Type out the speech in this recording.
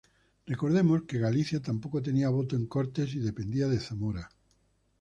Recordemos que Galicia tampoco tenía voto en Cortes y dependía de Zamora.